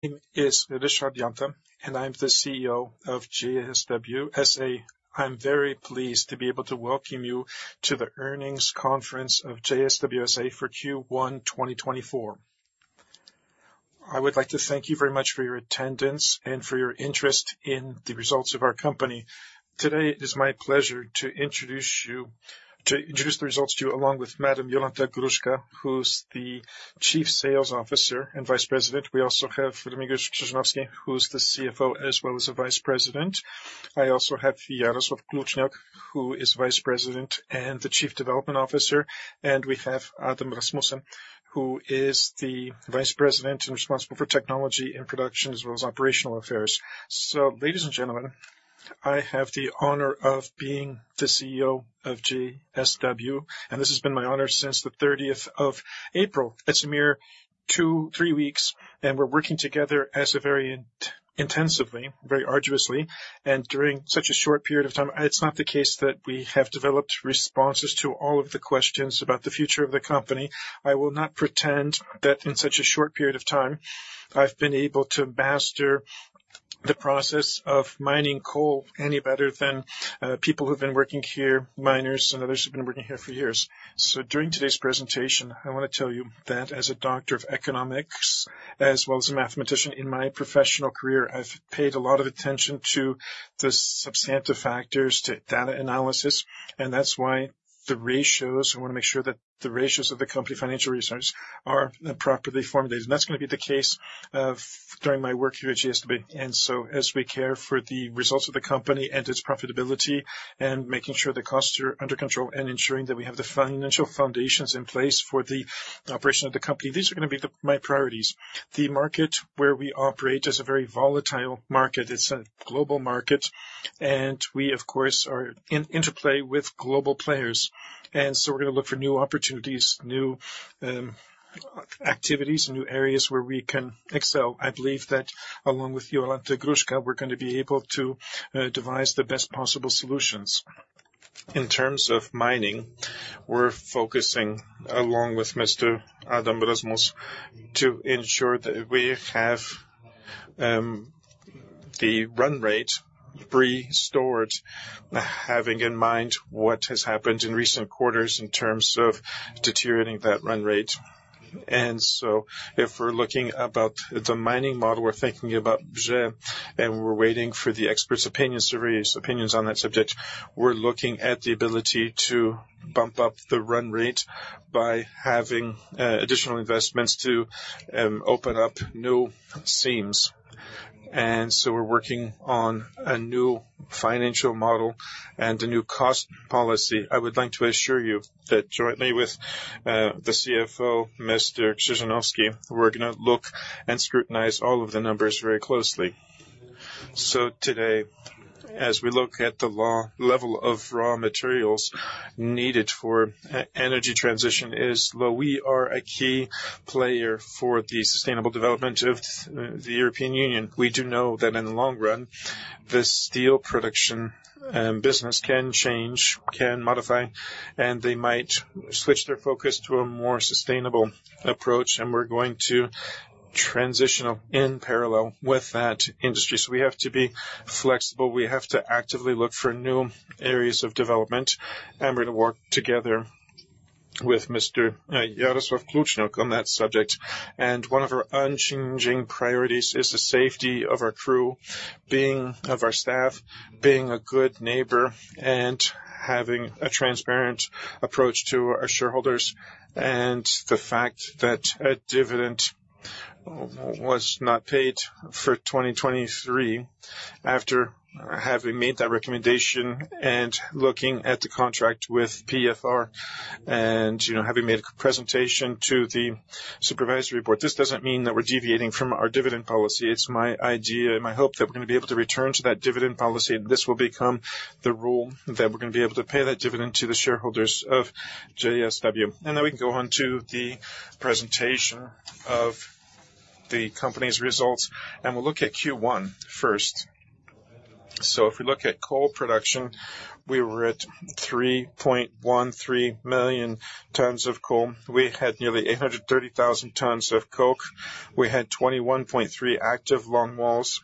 My name is Ryszard Janta, and I'm the CEO of JSW S.A. I'm very pleased to be able to welcome you to the earnings conference of JSW S.A. for Q1, 2024. I would like to thank you very much for your attendance and for your interest in the results of our company. Today, it is my pleasure to introduce you—to introduce the results to you, along with Madam Jolanta Gruszka, who's the Chief Sales Officer and Vice President. We also have Remigiusz Krzyżanowski, who's the CFO, as well as the Vice President. I also have Jarosław Kluczniok, who is Vice President and the Chief Development Officer, and we have Adam Rozmus, who is the Vice President and responsible for technology and production, as well as operational affairs. So, ladies and gentlemen, I have the honor of being the CEO of JSW, and this has been my honor since the thirtieth of April. It's a mere two, three weeks, and we're working together as a very intensively, very arduously, and during such a short period of time, it's not the case that we have developed responses to all of the questions about the future of the company. I will not pretend that in such a short period of time, I've been able to master the process of mining coal any better than people who've been working here, miners and others who've been working here for years. So during today's presentation, I wanna tell you that as a doctor of economics, as well as a mathematician, in my professional career, I've paid a lot of attention to the substantive factors, to data analysis, and that's why the ratios. I wanna make sure that the ratios of the company, financial ratios, are properly formulated. That's gonna be the case during my work here at JSW. So as we care for the results of the company and its profitability, and making sure the costs are under control, and ensuring that we have the financial foundations in place for the operation of the company, these are gonna be my priorities. The market where we operate is a very volatile market. It's a global market, and we, of course, are in interplay with global players. We're gonna look for new opportunities, new activities and new areas where we can excel. I believe that along with Jolanta Gruszka, we're gonna be able to devise the best possible solutions. In terms of mining, we're focusing, along with Mr. Adam Rozmus, to ensure that we have the run rate restored, having in mind what has happened in recent quarters in terms of deteriorating that run rate. If we're looking about the mining model, we're thinking about Bzie, and we're waiting for the expert's opinions to raise opinions on that subject. We're looking at the ability to bump up the run rate by having additional investments to open up new seams. We're working on a new financial model and a new cost policy. I would like to assure you that jointly with the CFO, Mr. Krzyżanowski, we're gonna look and scrutinize all of the numbers very closely. So today, as we look at the raw level of raw materials needed for energy transition is low, we are a key player for the sustainable development of the European Union. We do know that in the long run, the steel production business can change, can modify, and they might switch their focus to a more sustainable approach, and we're going to transition in parallel with that industry. So we have to be flexible, we have to actively look for new areas of development, and we're gonna work together with Mr. Jarosław Kluczniok on that subject. And one of our unchanging priorities is the safety of our crew, being of our staff, being a good neighbor, and having a transparent approach to our shareholders. The fact that a dividend was not paid for 2023, after having made that recommendation and looking at the contract with PFR and, you know, having made a presentation to the supervisory board, this doesn't mean that we're deviating from our dividend policy. It's my idea and my hope that we're gonna be able to return to that dividend policy, and this will become the rule, that we're gonna be able to pay that dividend to the shareholders of JSW. And then we can go on to the presentation of the company's results, and we'll look at Q1 first. So if we look at coal production, we were at 3.13 million tons of coal. We had nearly 830,000 tons of coke. We had 21.3 active long walls.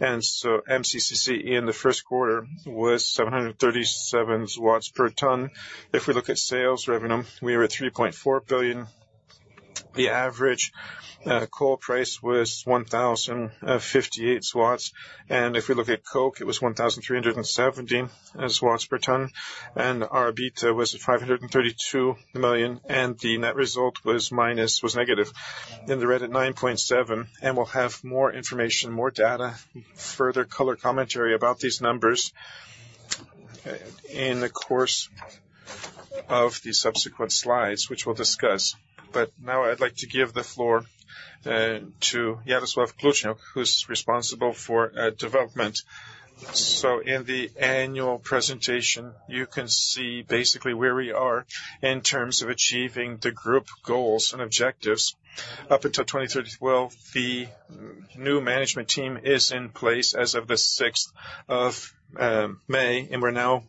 And so MCC in the first quarter was 737 PLN per ton. If we look at sales revenue, we were at 3.4 billion. The average coal price was 1,058 PLN, and if we look at coke, it was 1,317 PLN per ton, and our EBITDA was at 532 million, and the net result was minus, was negative. In the red at 9.7 million, and we'll have more information, more data, further color commentary about these numbers in the course of the subsequent slides, which we'll discuss. But now I'd like to give the floor to Jarosław Kluczniok, who's responsible for development. So in the annual presentation, you can see basically where we are in terms of achieving the group goals and objectives. Up until 2032, the new management team is in place as of the 6th of May, and we're now,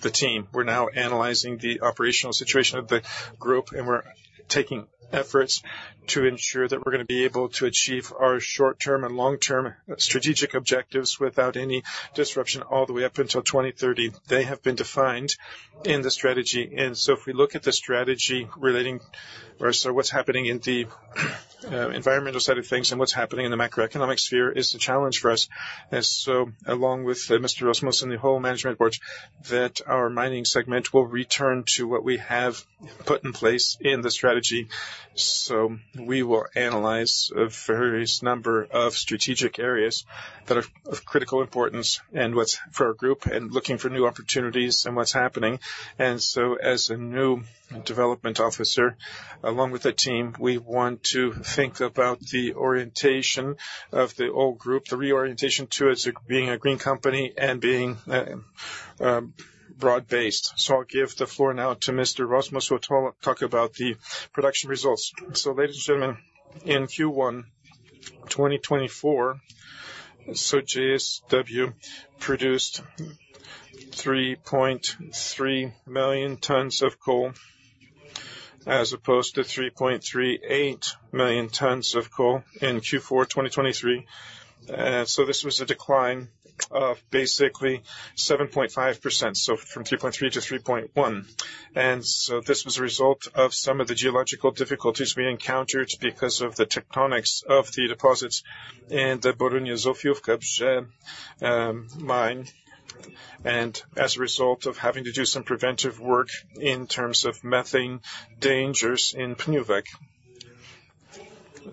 the team, we're now analyzing the operational situation of the group, and we're taking efforts to ensure that we're gonna be able to achieve our short-term and long-term strategic objectives without any disruption all the way up until 2030. They have been defined in the strategy. So if we look at the strategy relating or so what's happening in the environmental side of things and what's happening in the macroeconomic sphere, is the challenge for us. So along with Mr. Rozmus and the whole management board, that our mining segment will return to what we have put in place in the strategy. So we will analyze a variety of strategic areas that are of critical importance and what's for our group and looking for new opportunities and what's happening. So as a new development officer, along with the team, we want to think about the orientation of the old group, the reorientation to it being a green company and being broad-based. So I'll give the floor now to Mr. Rozmus, who will talk about the production results. So ladies and gentlemen, in Q1 2024, JSW produced 3.3 million tons of coal, as opposed to 3.38 million tons of coal in Q4 2023. So this was a decline of basically 7.5%, so from 3.3 to 3.1. This was a result of some of the geological difficulties we encountered because of the tectonics of the deposits in the Borynia-Zofiówka mine, and as a result of having to do some preventive work in terms of methane dangers in Pniówek.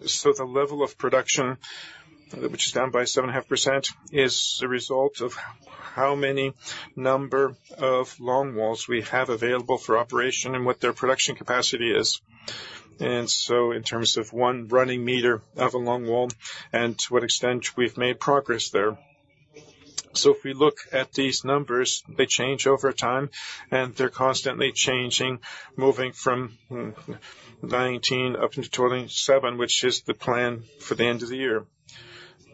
The level of production, which is down by 7.5%, is a result of how many number of long walls we have available for operation and what their production capacity is. In terms of one running meter of a long wall and to what extent we've made progress there. If we look at these numbers, they change over time, and they're constantly changing, moving from 19 up into 27, which is the plan for the end of the year.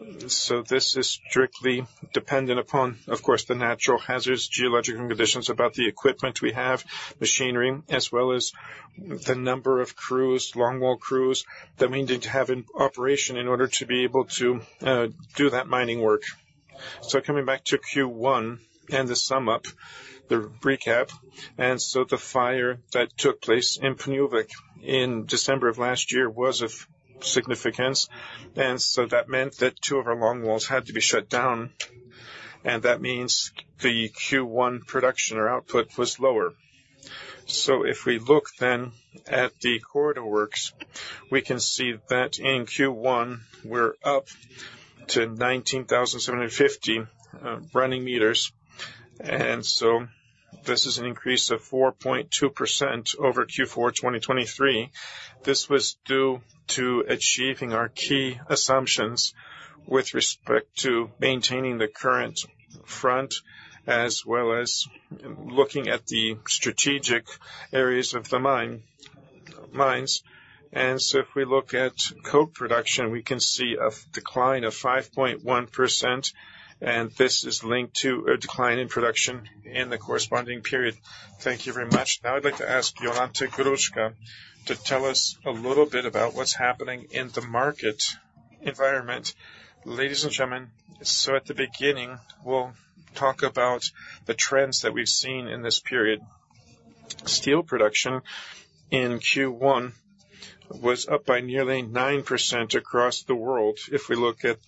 This is strictly dependent upon, of course, the natural hazards, geological conditions, about the equipment we have, machinery, as well as the number of crews, long wall crews, that we need to have in operation in order to be able to do that mining work. Coming back to Q1 and the sum up, the recap. The fire that took place in Pniówek in December of last year was of significance, and so that meant that two of our longwalls had to be shut down, and that means the Q1 production or output was lower. If we look then at the quarter works, we can see that in Q1, we're up to 19,750 running meters, and so this is an increase of 4.2% over Q4 2023. This was due to achieving our key assumptions with respect to maintaining the current front, as well as looking at the strategic areas of the mine, mines. So if we look at coal production, we can see a decline of 5.1%, and this is linked to a decline in production in the corresponding period. Thank you very much. Now, I'd like to ask Jolanta Gruszka to tell us a little bit about what's happening in the market environment. Ladies and gentlemen, so at the beginning, we'll talk about the trends that we've seen in this period. Steel production in Q1 was up by nearly 9% across the world. If we look at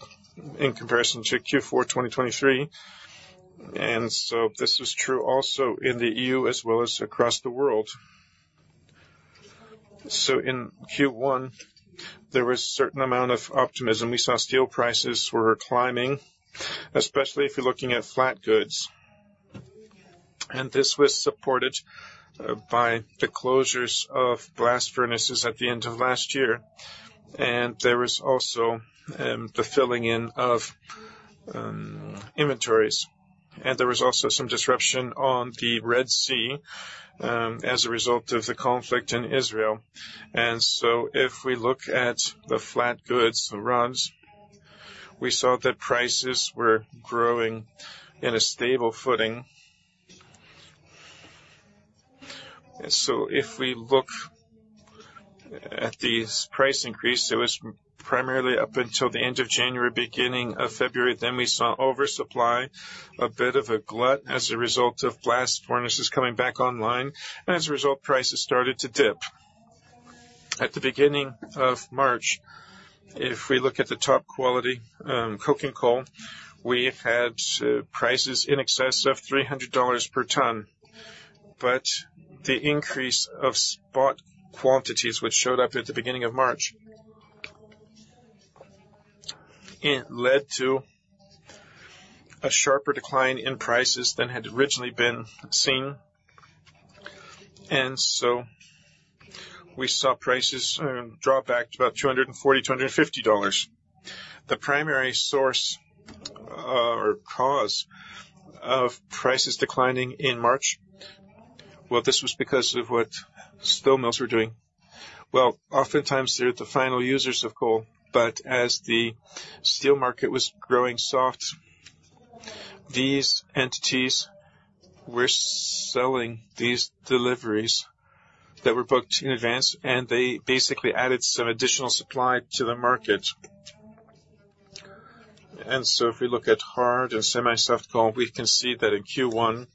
in comparison to Q4 2023, and so this was true also in the E.U. as well as across the world. So in Q1, there was a certain amount of optimism. We saw steel prices were climbing, especially if you're looking at flat goods. This was supported by the closures of blast furnaces at the end of last year. There was also the filling in of inventories, and there was also some disruption on the Red Sea, as a result of the conflict in Israel. So if we look at the flat goods, the rods, we saw that prices were growing in a stable footing. If we look at the price increase, it was primarily up until the end of January, beginning of February. We saw oversupply, a bit of a glut as a result of blast furnaces coming back online, and as a result, prices started to dip. At the beginning of March, if we look at the top quality coking coal, we had prices in excess of $300 per ton, but the increase of spot quantities, which showed up at the beginning of March, it led to a sharper decline in prices than had originally been seen. And so we saw prices drop back to about $240-$250. The primary source or cause of prices declining in March, well, this was because of what steel mills were doing. Well, oftentimes, they're the final users of coal, but as the steel market was growing soft... These entities were selling these deliveries that were booked in advance, and they basically added some additional supply to the market. So if we look at hard and semi-soft coal, we can see that in Q1,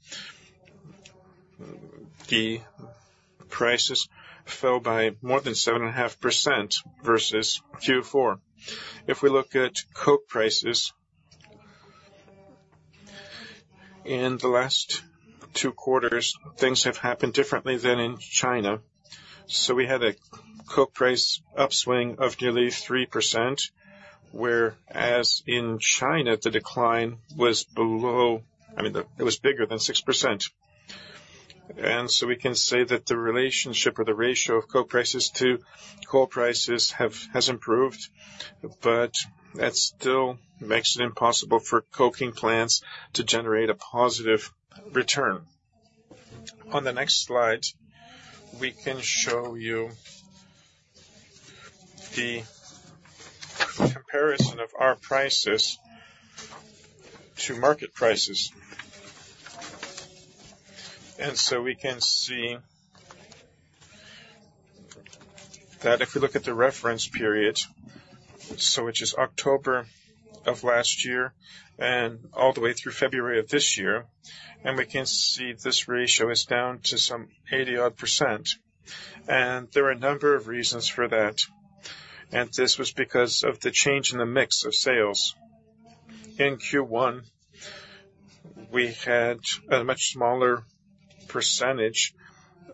the prices fell by more than 7.5% versus Q4. If we look at coke prices, in the last two quarters, things have happened differently than in China. So we had a coke price upswing of nearly 3%, whereas in China, the decline was below, I mean, it was bigger than 6%. And so we can say that the relationship or the ratio of coke prices to coal prices have, has improved, but that still makes it impossible for coking plants to generate a positive return. On the next slide, we can show you the comparison of our prices to market prices. So we can see that if we look at the reference period, so which is October of last year and all the way through February of this year, and we can see this ratio is down to some 80-odd%. There are a number of reasons for that, and this was because of the change in the mix of sales. In Q1, we had a much smaller percentage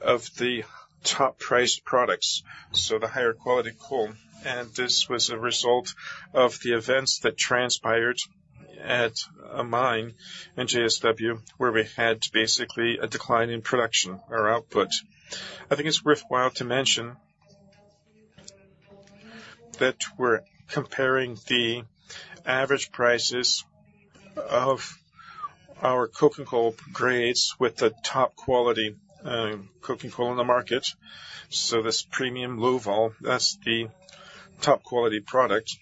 of the top price products, so the higher quality coal, and this was a result of the events that transpired at a mine in JSW, where we had basically a decline in production or output. I think it's worthwhile to mention that we're comparing the average prices of our coking coal grades with the top quality coking coal in the market. So this Premium Low Vol, that's the top quality product.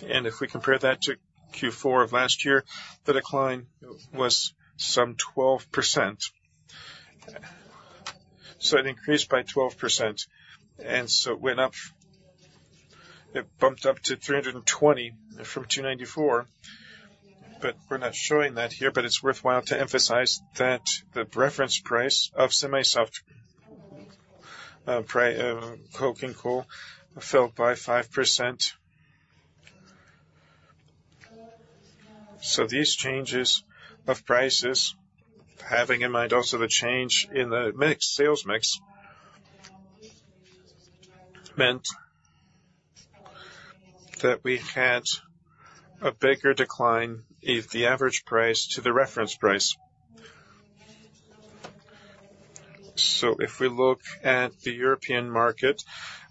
If we compare that to Q4 of last year, the decline was some 12%. So it increased by 12%, and so it went up. It bumped up to 320 from 294, but we're not showing that here, but it's worthwhile to emphasize that the reference price of semi-soft coking coal fell by 5%. So these changes of prices, having in mind also the change in the mix, sales mix, meant that we had a bigger decline in the average price to the reference price. So if we look at the European market,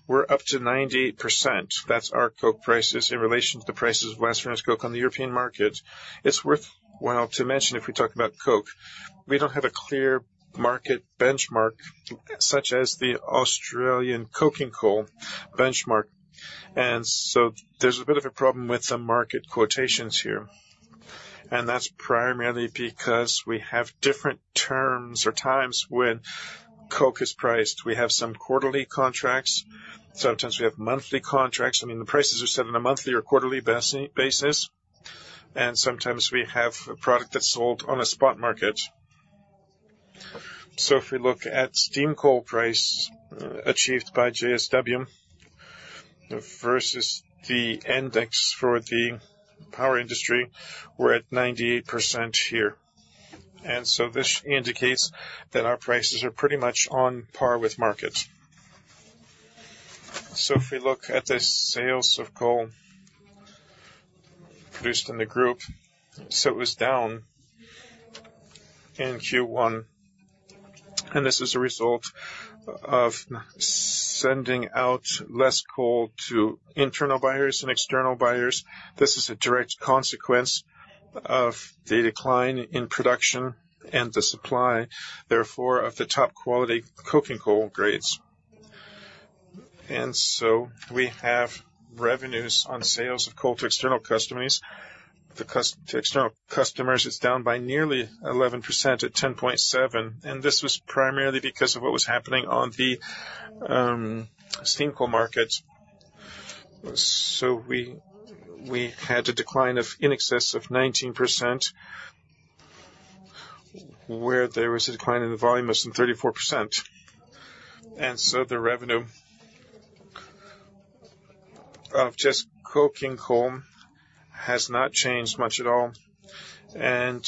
we're up to 98%. That's our coke prices in relation to the prices of Western coke on the European market. It's worthwhile to mention, if we talk about coke, we don't have a clear market benchmark, such as the Australian coking coal benchmark. There's a bit of a problem with the market quotations here, and that's primarily because we have different terms or times when coke is priced. We have some quarterly contracts, sometimes we have monthly contracts. I mean, the prices are set on a monthly or quarterly basis, and sometimes we have a product that's sold on a spot market. So if we look at steam coal price achieved by JSW, versus the index for the power industry, we're at 98% here. This indicates that our prices are pretty much on par with market. So if we look at the sales of coal produced in the group, it was down in Q1, and this is a result of sending out less coal to internal buyers and external buyers. This is a direct consequence of the decline in production and the supply, therefore, of the top quality coking coal grades. So we have revenues on sales of coal to external customers. To external customers, it's down by nearly 11% at 10.7, and this was primarily because of what was happening on the steam coal market. So we had a decline of in excess of 19%, where there was a decline in the volume of some 34%. So the revenue of just coking coal has not changed much at all. And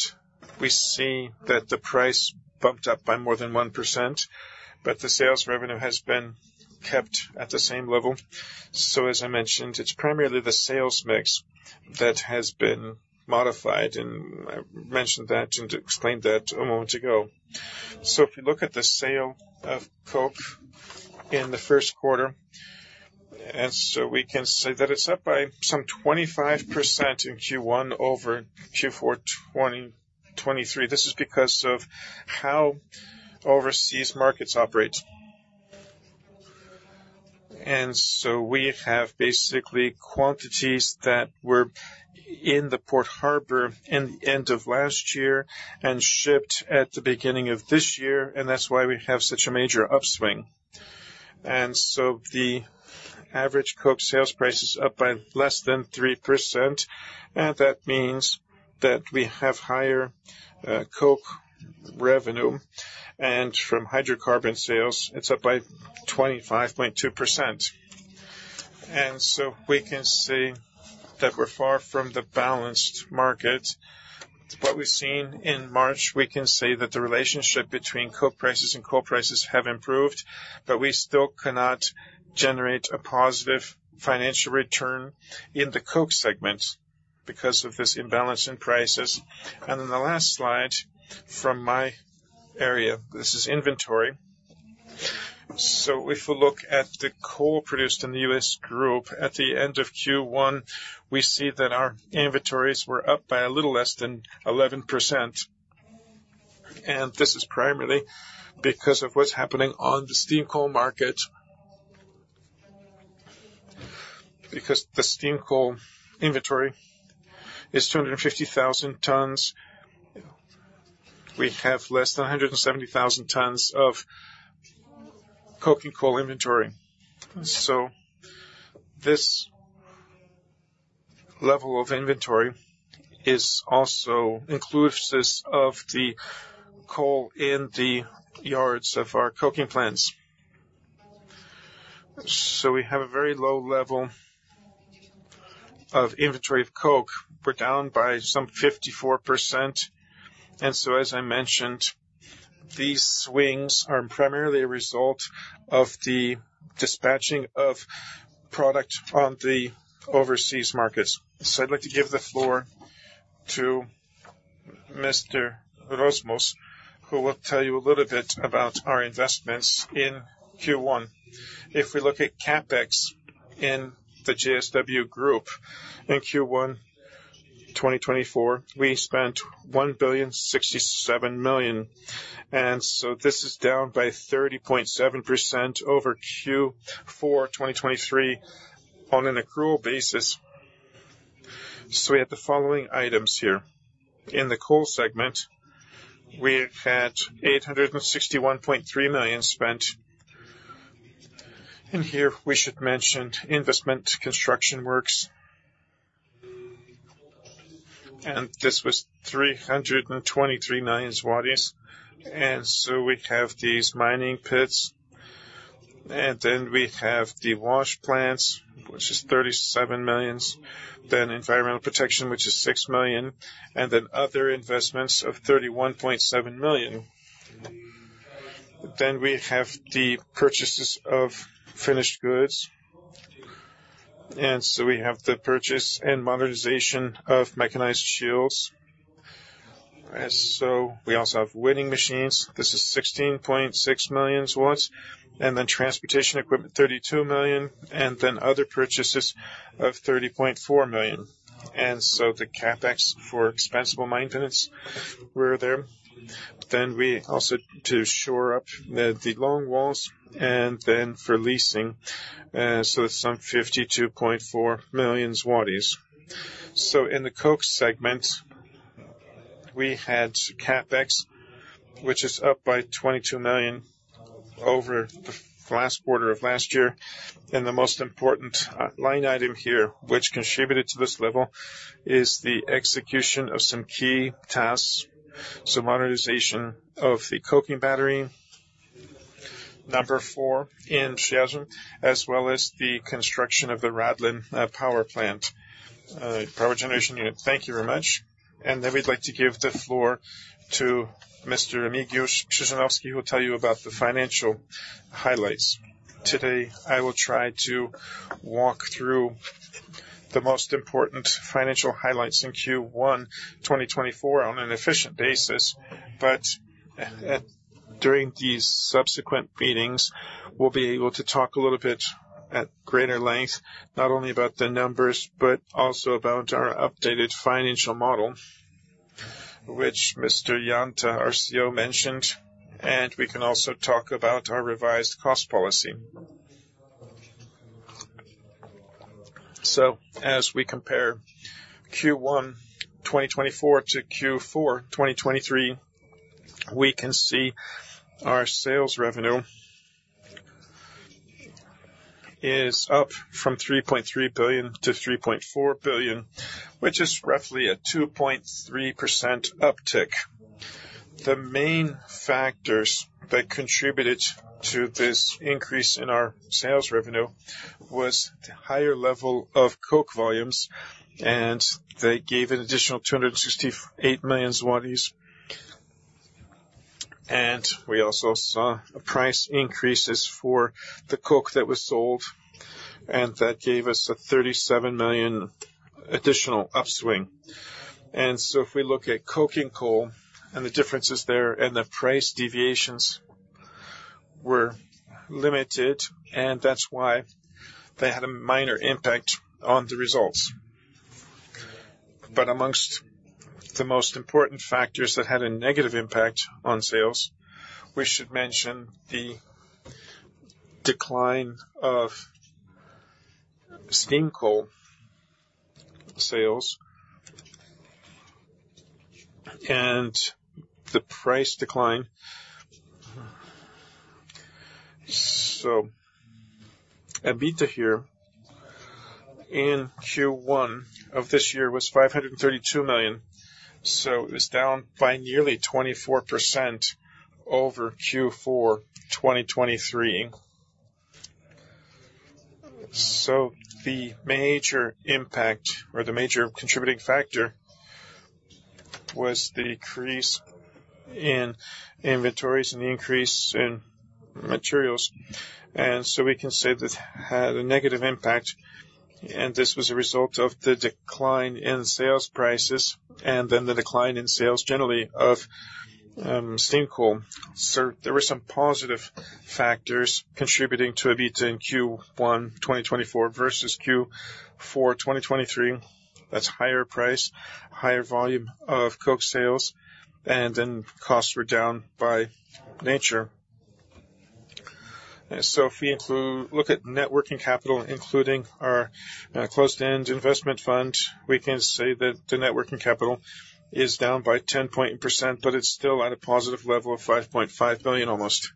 we see that the price bumped up by more than 1%, but the sales revenue has been kept at the same level. So as I mentioned, it's primarily the sales mix that has been modified, and I mentioned that and explained that a moment ago. So if you look at the sale of coke in the first quarter, and so we can say that it's up by some 25% in Q1 over Q4 2023. This is because of how overseas markets operate.... We have basically quantities that were in the port harbor in the end of last year and shipped at the beginning of this year, and that's why we have such a major upswing. The average coke sales price is up by less than 3%, and that means that we have higher coke revenue, and from hydrocarbon sales, it's up by 25.2%. We can see that we're far from the balanced market. What we've seen in March, we can say that the relationship between coke prices and coal prices have improved, but we still cannot generate a positive financial return in the coke segment because of this imbalance in prices. And then the last slide from my area, this is inventory. So if we look at the coal produced in the JSW Group at the end of Q1, we see that our inventories were up by a little less than 11%. And this is primarily because of what's happening on the steam coal market. Because the steam coal inventory is 250,000 tons, we have less than 170,000 tons of coking coal inventory. So this level of inventory is also inclusive of the coal in the yards of our coking plants. So we have a very low level of inventory of coke. We're down by some 54%, and so as I mentioned, these swings are primarily a result of the dispatching of product on the overseas markets. So I'd like to give the floor to Mr. Rozmus, who will tell you a little bit about our investments in Q1. If we look at CapEx in the JSW Group, in Q1 2024, we spent 1,067 million, and so this is down by 30.7% over Q4 2023 on an accrual basis. So we have the following items here. In the coal segment, we had 861.3 million spent, and here we should mention investment construction works. And this was 323 million zlotys. We have these mining pits, and then we have the wash plants, which is 37 million, then environmental protection, which is 6 million, and then other investments of 31.7 million. Then we have the purchases of finished goods, and so we have the purchase and modernization of mechanized shields. And so we also have winning machines. This is 16.6 million, and then transportation equipment, 32 million, and then other purchases of 30.4 million. And so the CapEx for expansion maintenance were there. Then we also to shore up the long walls and then for leasing, so some 52.4 million. So in the coke segment, we had CapEx, which is up by 22 million over the last quarter of last year. And the most important line item here, which contributed to this level, is the execution of some key tasks, so modernization of the coking battery, number four in Szczecin, as well as the construction of the Radlin power plant power generation unit. Thank you very much. Then we'd like to give the floor to Mr. Remigiusz Krzyżanowski, who will tell you about the financial highlights. Today, I will try to walk through the most important financial highlights in Q1 2024 on an efficient basis, but during these subsequent meetings, we'll be able to talk a little bit at greater length, not only about the numbers, but also about our updated financial model, which Mr. Ryszard Janta, our CEO, mentioned, and we can also talk about our revised cost policy. So as we compare Q1 2024 to Q4 2023, we can see our sales revenue is up from 3.3 billion to 3.4 billion, which is roughly a 2.3% uptick. The main factors that contributed to this increase in our sales revenue was the higher level of coke volumes, and they gave an additional 268 million zlotys. And we also saw price increases for the coke that was sold, and that gave us a 37 million additional upswing. And so if we look at coking coal and the differences there, and the price deviations were limited, and that's why they had a minor impact on the results. But amongst the most important factors that had a negative impact on sales, we should mention the decline of steam coal sales and the price decline. So, EBITDA here in Q1 of this year was 532 million, so it was down by nearly 24% over Q4 2023. So the major impact or the major contributing factor was the increase in inventories and the increase in materials. And so we can say this had a negative impact, and this was a result of the decline in sales prices and then the decline in sales generally of steam coal. So there were some positive factors contributing to EBITDA in Q1 2024 versus Q4 2023. That's higher price, higher volume of coke sales, and then costs were down by nature. So, if we include, look at net working capital, including our closed-end investment fund, we can say that the net working capital is down by 10%, but it's still at a positive level of 5.5 billion, almost.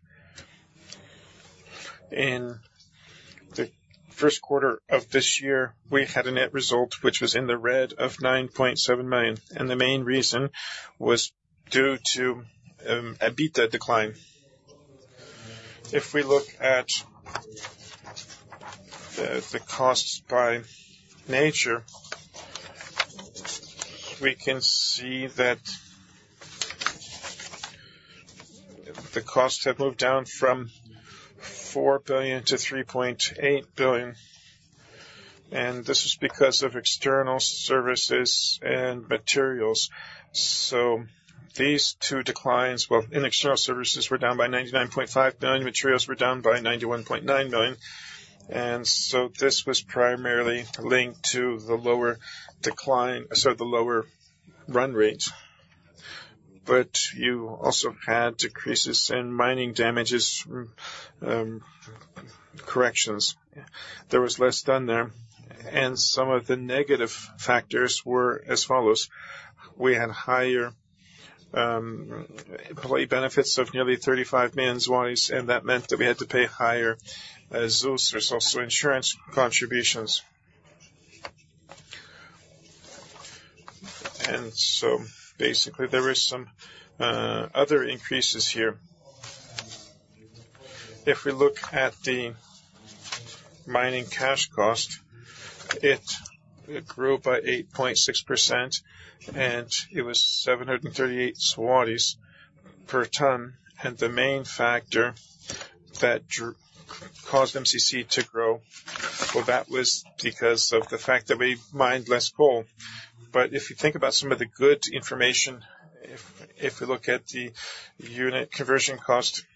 In the first quarter of this year, we had a net result, which was in the red of 9.7 million, and the main reason was due to EBITDA decline. If we look at the costs by nature, we can see that the costs have moved down from 4 billion-3.8 billion, and this is because of external services and materials. So these two declines, well, in external services, were down by 99.5 billion, materials were down by 91.9 billion. And so this was primarily linked to the lower decline, so the lower run rates. But you also had decreases in mining damages, corrections. There was less done there, and some of the negative factors were as follows: we had higher employee benefits of nearly 35 million zlotys, and that meant that we had to pay higher those resource insurance contributions. So basically, there were some other increases here. If we look at the mining cash cost, it grew by 8.6%, and it was 738 zlotys per ton. The main factor that caused MCC to grow, well, that was because of the fact that we mined less coal. But if you think about some of the good information, if you look at the unit conversion cost,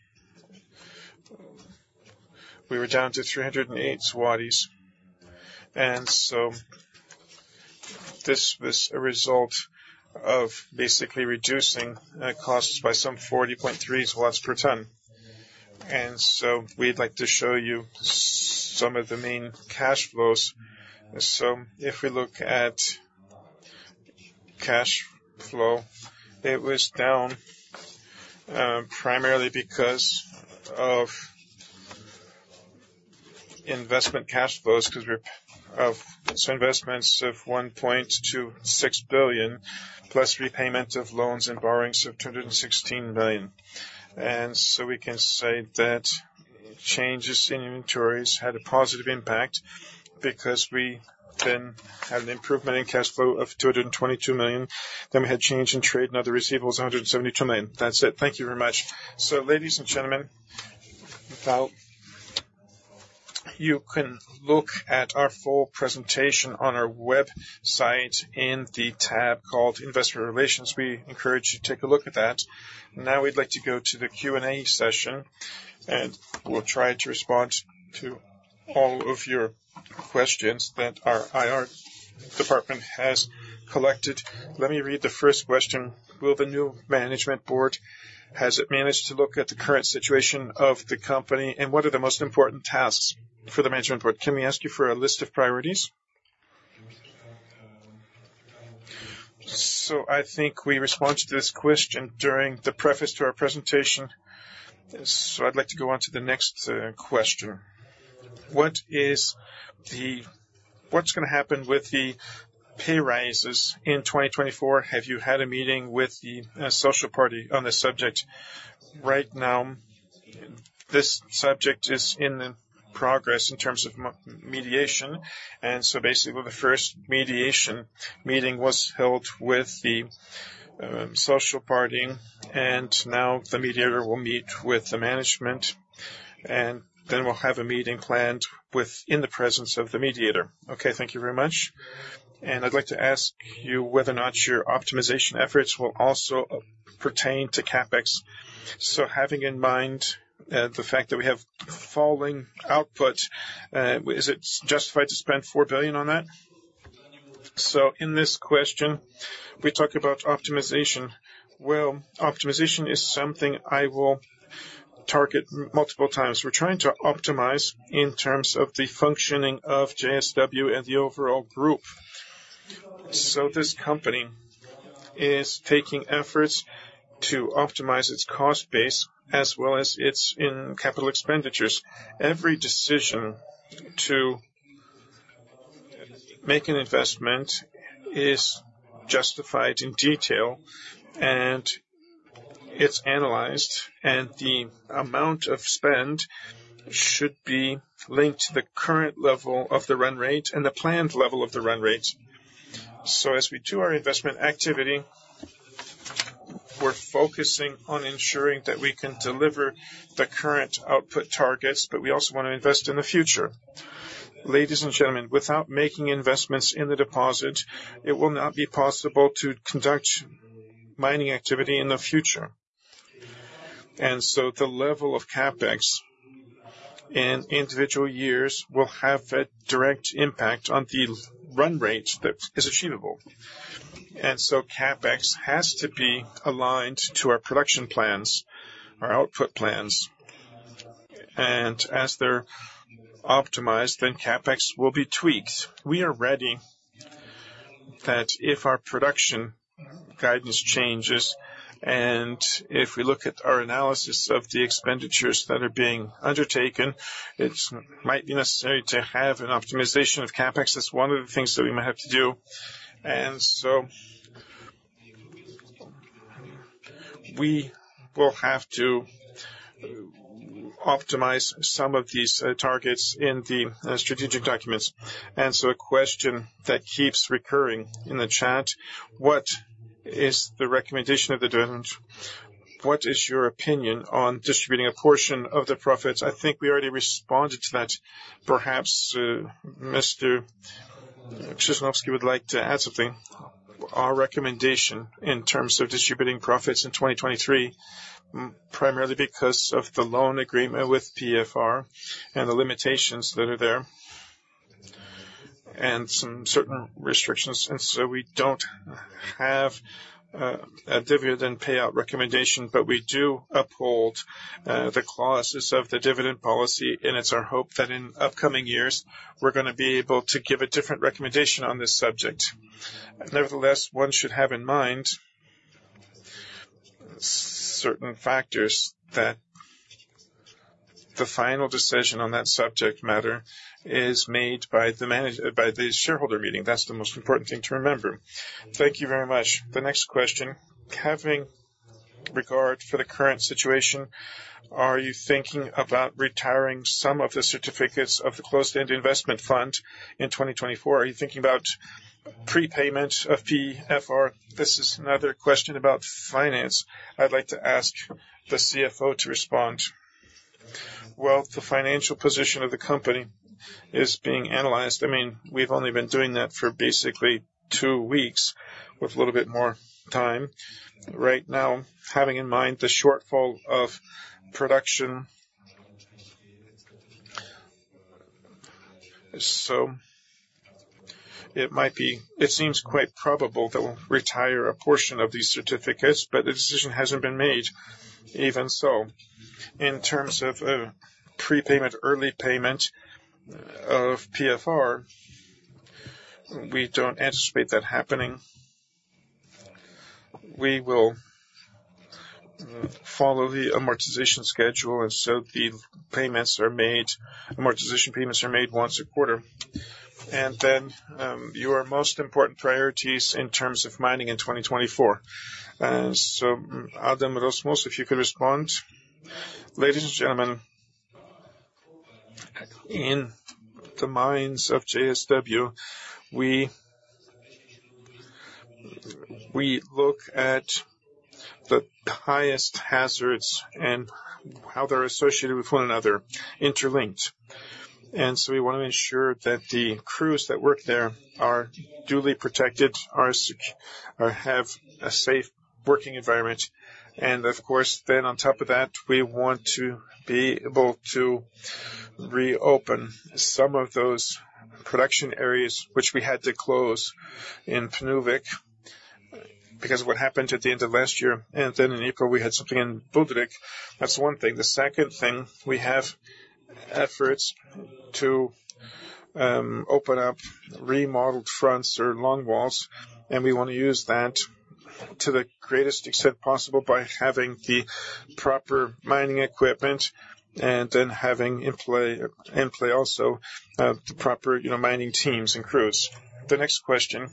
we were down to 308 zlotys, and so this was a result of basically reducing costs by some 40.3 per ton. We'd like to show you some of the main cash flows. If we look at cash flow, it was down primarily because of investment cash flows of investments of 1.26 billion, plus repayment of loans and borrowings of 216 billion. We can say that changes in inventories had a positive impact because we then had an improvement in cash flow of 222 million. We had change in trade, and other receivables, 172 million. That's it. Thank you very much. Ladies and gentlemen, now you can look at our full presentation on our website in the tab called Investor Relations. We encourage you to take a look at that. Now, we'd like to go to the Q&A session, and we'll try to respond to all of your questions that our IR department has collected. Let me read the first question: Will the new management board, has it managed to look at the current situation of the company, and what are the most important tasks for the management board? Can we ask you for a list of priorities? I think we responded to this question during the preface to our presentation. I'd like to go on to the next question. What's gonna happen with the pay raises in 2024? Have you had a meeting with the social party on this subject? Right now, this subject is in progress in terms of mediation, and so basically, the first mediation meeting was held with the social party, and now the mediator will meet with the management, and then we'll have a meeting planned in the presence of the mediator. Okay, thank you very much. I'd like to ask you whether or not your optimization efforts will also pertain to CapEx. So having in mind the fact that we have falling output, is it justified to spend 4 billion on that? So in this question, we talk about optimization. Well, optimization is something I will target multiple times. We're trying to optimize in terms of the functioning of JSW and the overall group. So this company is taking efforts to optimize its cost base as well as its in capital expenditures. Every decision to make an investment is justified in detail, and it's analyzed, and the amount of spend should be linked to the current level of the run rate and the planned level of the run rate. So as we do our investment activity, we're focusing on ensuring that we can deliver the current output targets, but we also want to invest in the future. Ladies and gentlemen, without making investments in the deposit, it will not be possible to conduct mining activity in the future. The level of CapEx in individual years will have a direct impact on the run rate that is achievable. CapEx has to be aligned to our production plans, our output plans, and as they're optimized, then CapEx will be tweaked. We are ready that if our production guidance changes, and if we look at our analysis of the expenditures that are being undertaken, it might be necessary to have an optimization of CapEx. That's one of the things that we might have to do. And so we will have to optimize some of these targets in the strategic documents. And so a question that keeps recurring in the chat: What is the recommendation of the dividend? What is your opinion on distributing a portion of the profits? I think we already responded to that. Perhaps, Mr. Krzyżanowski would like to add something. Our recommendation in terms of distributing profits in 2023, primarily because of the loan agreement with PFR and the limitations that are there, and some certain restrictions, and so we don't have a dividend payout recommendation, but we do uphold the clauses of the dividend policy, and it's our hope that in upcoming years, we're gonna be able to give a different recommendation on this subject. Nevertheless, one should have in mind certain factors that the final decision on that subject matter is made by the shareholder meeting. That's the most important thing to remember. Thank you very much. The next question, having regard for the current situation, are you thinking about retiring some of the certificates of the closed-end investment fund in 2024? Are you thinking about prepayment of PFR? This is another question about finance. I'd like to ask the CFO to respond. Well, the financial position of the company is being analyzed. I mean, we've only been doing that for basically two weeks, with a little bit more time. Right now, having in mind the shortfall of production, so it might be, it seems quite probable that we'll retire a portion of these certificates, but the decision hasn't been made even so. In terms of prepayment, early payment of PFR, we don't anticipate that happening. We will follow the amortization schedule, and so the payments are made, amortization payments are made once a quarter. And then, your most important priorities in terms of mining in 2024. So Adam Rozmus, if you could respond. Ladies and gentlemen, in the mines of JSW, we look at the highest hazards and how they're associated with one another, interlinked. We want to ensure that the crews that work there are duly protected or have a safe working environment. And of course, then on top of that, we want to be able to reopen some of those production areas which we had to close in Pniówek, because of what happened at the end of last year, and then in April, we had something in Budryk. That's one thing. The second thing, we have efforts to open up remodeled fronts or long walls, and we want to use that to the greatest extent possible by having the proper mining equipment and then having in play, in play also the proper, you know, mining teams and crews. The next question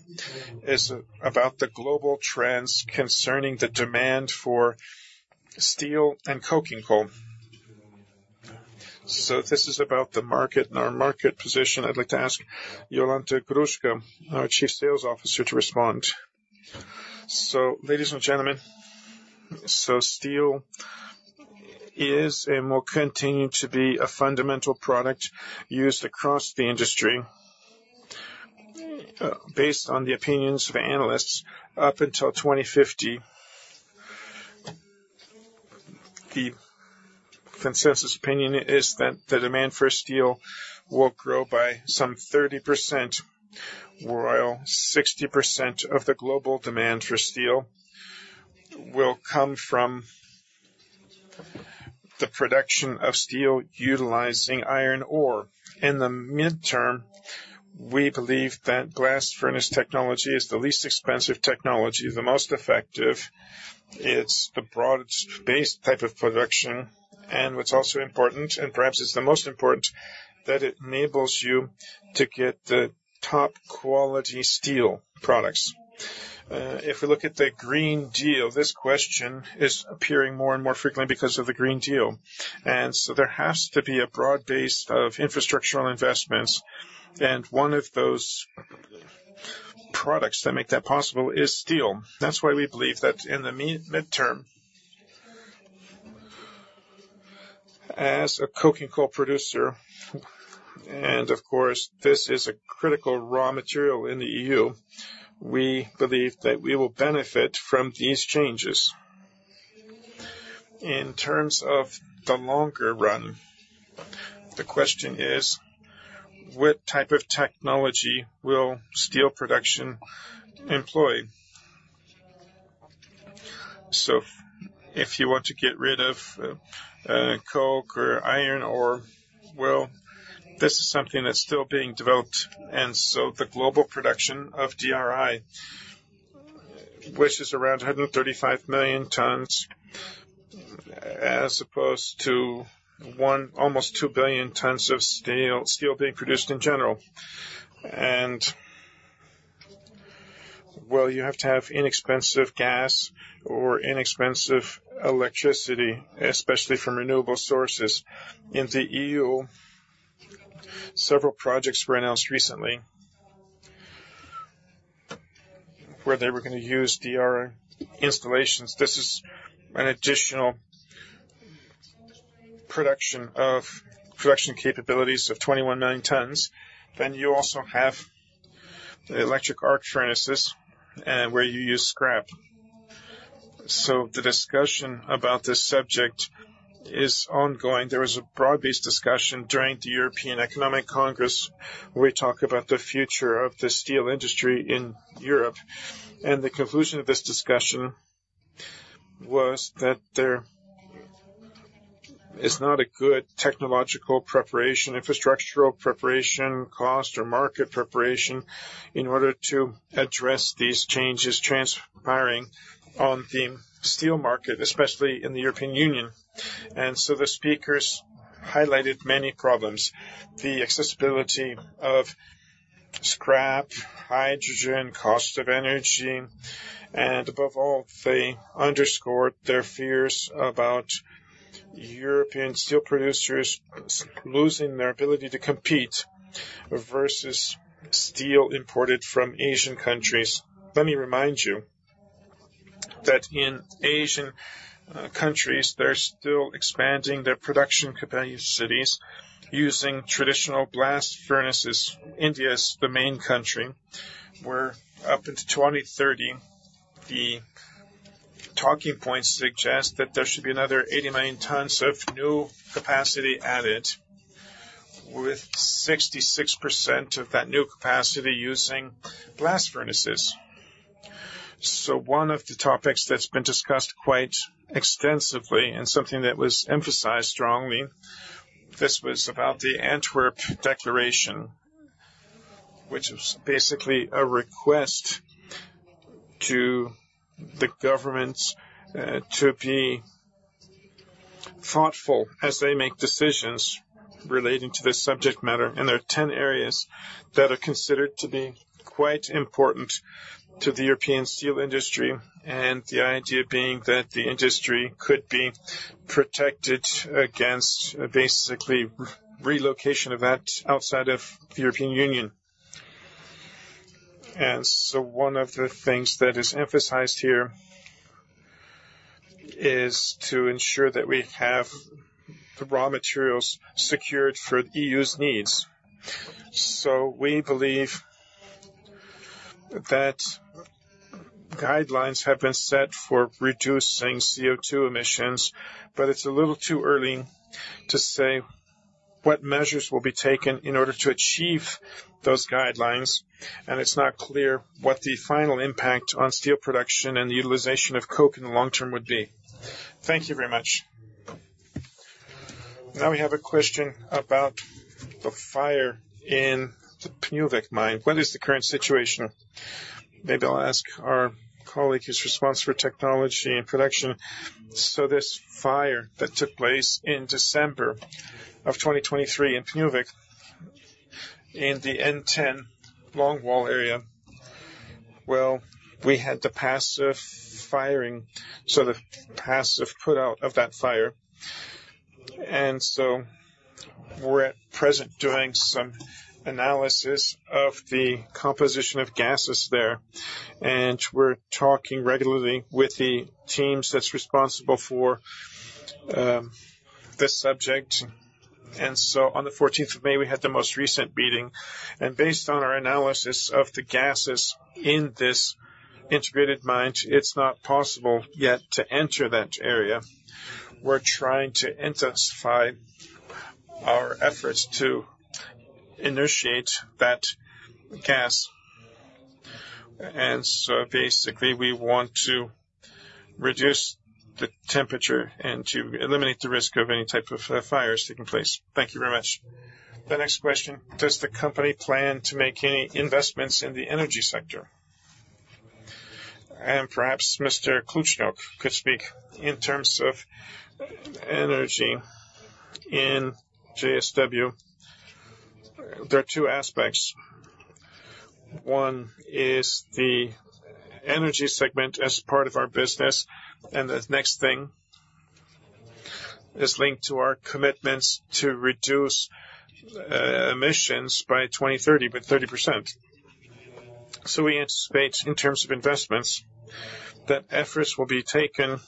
is about the global trends concerning the demand for steel and coking coal. So this is about the market and our market position. I'd like to ask Jolanta Gruszka, our Chief Sales Officer, to respond. So ladies and gentlemen, so steel is and will continue to be a fundamental product used across the industry. Based on the opinions of analysts, up until 2050. The consensus opinion is that the demand for steel will grow by some 30%, while 60% of the global demand for steel will come from the production of steel utilizing iron ore. In the midterm, we believe that blast furnace technology is the least expensive technology, the most effective. It's the broadest-based type of production, and what's also important, and perhaps it's the most important, that it enables you to get the top quality steel products. If we look at the Green Deal, this question is appearing more and more frequently because of the Green Deal. There has to be a broad base of infrastructural investments, and one of those products that make that possible is steel. That's why we believe that in the mid-term, as a coking coal producer, and of course, this is a critical raw material in the E.U., we believe that we will benefit from these changes. In terms of the longer run, the question is: What type of technology will steel production employ? So if you want to get rid of coke or iron ore, well, this is something that's still being developed, and so the global production of DRI, which is around 135 million tons, as opposed to almost 2 billion tons of steel being produced in general. Well, you have to have inexpensive gas or inexpensive electricity, especially from renewable sources. In the E.U., several projects were announced recently where they were gonna use DRI installations. This is an additional production of production capabilities of 21.9 tons. You also have the electric arc furnaces, where you use scrap. The discussion about this subject is ongoing. There was a broad-based discussion during the European Economic Congress, where we talk about the future of the steel industry in Europe. The conclusion of this discussion was that there is not a good technological preparation, infrastructural preparation, cost or market preparation in order to address these changes transpiring on the steel market, especially in the European Union. The speakers highlighted many problems: the accessibility of scrap, hydrogen, cost of energy, and above all, they underscored their fears about European steel producers losing their ability to compete versus steel imported from Asian countries. Let me remind you that in Asian countries, they're still expanding their production capacities using traditional blast furnaces. India is the main country, where up into 2030, the talking points suggest that there should be another 89 tons of new capacity added, with 66% of that new capacity using blast furnaces. So one of the topics that's been discussed quite extensively and something that was emphasized strongly, this was about the Antwerp Declaration, which was basically a request to the governments to be thoughtful as they make decisions relating to this subject matter. And there are 10 areas that are considered to be quite important to the European steel industry, and the idea being that the industry could be protected against basically relocation of that outside of the European Union. One of the things that is emphasized here is to ensure that we have the raw materials secured for the E.U.'s needs. So we believe that guidelines have been set for reducing CO2 emissions, but it's a little too early to say what measures will be taken in order to achieve those guidelines, and it's not clear what the final impact on steel production and the utilization of coke in the long term would be. Thank you very much. Now we have a question about the fire in the Pniówek mine. What is the current situation? Maybe I'll ask our colleague who's responsible for technology and production. So this fire that took place in December of 2023 in Pniówek, in the N-10 longwall area, well, we had the passive firing, so the passive put out of that fire. And so we're at present doing some analysis of the composition of gases there, and we're talking regularly with the teams that's responsible for this subject. And so on the 14th of May, we had the most recent meeting, and based on our analysis of the gases in this integrated mine, it's not possible yet to enter that area. We're trying to intensify our efforts to initiate that gas. And so basically, we want to reduce the temperature and to eliminate the risk of any type of fires taking place. Thank you very much. The next question: Does the company plan to make any investments in the energy sector? And perhaps Mr. Kluczniok could speak. In terms of energy in JSW, there are two aspects. One is the energy segment as part of our business, and the next thing is linked to our commitments to reduce emissions by 2030, by 30%. So we anticipate, in terms of investments, that efforts will be taken,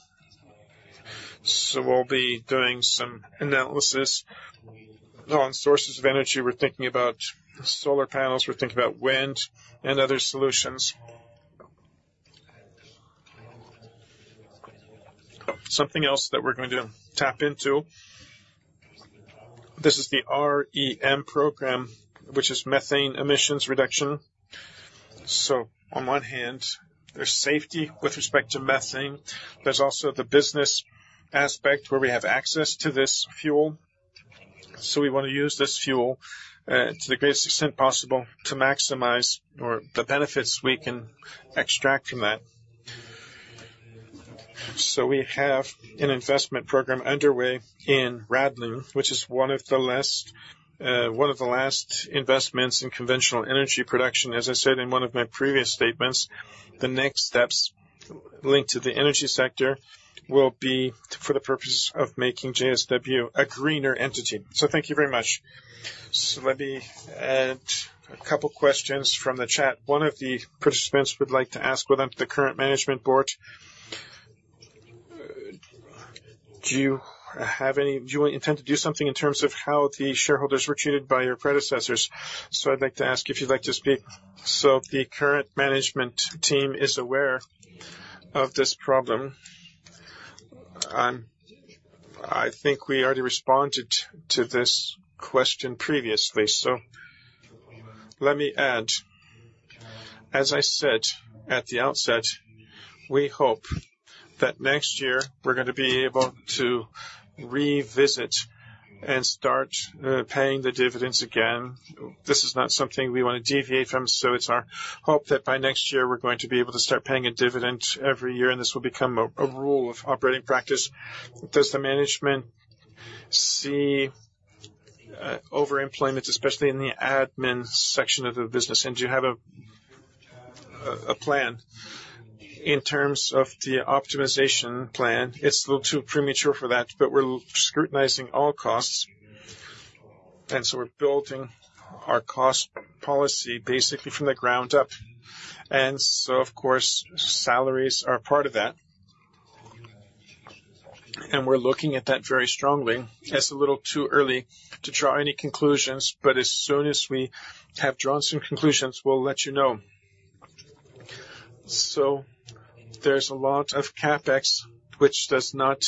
so we'll be doing some analysis on sources of energy. We're thinking about solar panels, we're thinking about wind and other solutions. Something else that we're going to tap into, this is the REM Program, which is methane emissions reduction. So on one hand, there's safety with respect to methane. There's also the business aspect where we have access to this fuel. So we want to use this fuel to the greatest extent possible to maximize or the benefits we can extract from that. So we have an investment program underway in Radlin, which is one of the last, one of the last investments in conventional energy production. As I said in one of my previous statements, the next steps linked to the energy sector will be for the purpose of making JSW a greener entity. So thank you very much. So let me add a couple questions from the chat. One of the participants would like to ask, within the current management board, do you have any-- do you intend to do something in terms of how the shareholders were treated by your predecessors? So I'd like to ask if you'd like to speak. So the current management team is aware of this problem. I think we already responded to this question previously. So let me add, as I said at the outset, we hope that next year we're gonna be able to revisit and start paying the dividends again. This is not something we want to deviate from, so it's our hope that by next year, we're going to be able to start paying a dividend every year, and this will become a rule of operating practice. Does the management see overemployment, especially in the admin section of the business? And do you have a plan? In terms of the optimization plan, it's a little too premature for that, but we're scrutinizing all costs, and so we're building our cost policy basically from the ground up. And so, of course, salaries are a part of that. And we're looking at that very strongly. It's a little too early to draw any conclusions, but as soon as we have drawn some conclusions, we'll let you know. So there's a lot of CapEx, which does not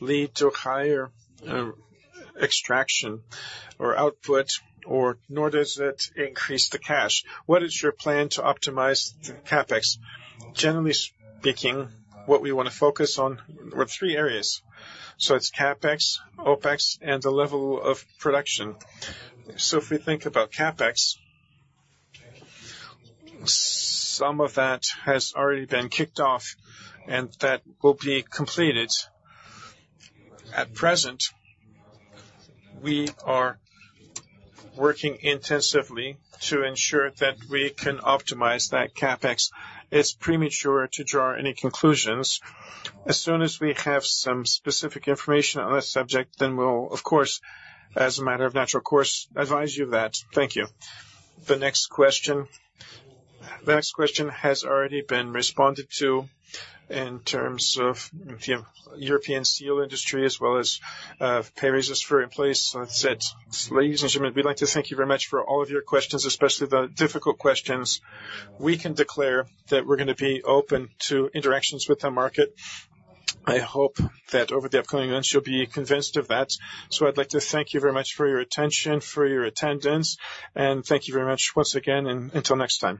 lead to a higher extraction or output, or nor does it increase the cash. What is your plan to optimize the CapEx? Generally speaking, what we want to focus on are three areas. So it's CapEx, OpEx, and the level of production. So if we think about CapEx, some of that has already been kicked off, and that will be completed. At present, we are working intensively to ensure that we can optimize that CapEx. It's premature to draw any conclusions. As soon as we have some specific information on this subject, then we'll, of course, as a matter of natural course, advise you of that. Thank you. The next question. The next question has already been responded to in terms of the European steel industry, as well as prices for in place. So that's it. Ladies and gentlemen, we'd like to thank you very much for all of your questions, especially the difficult questions. We can declare that we're gonna be open to interactions with the market. I hope that over the upcoming months, you'll be convinced of that. So I'd like to thank you very much for your attention, for your attendance, and thank you very much once again, and until next time.